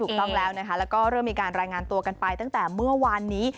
ถูกต้องแล้วนะคะแล้วก็เริ่มมีการรายงานตัวกันไปตั้งแต่เมื่อวานนี้